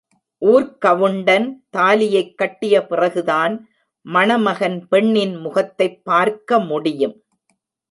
ஊர்க்கவுண்டன் தாலியைக் கட்டிய பிறகுதான் மணமகன் பெண்ணின் முகத்தைப் பார்க்க முடியும்.